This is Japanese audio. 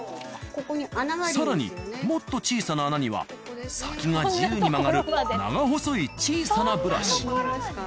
更にもっと小さな穴には先が自由に曲がる長細い小さなブラシ。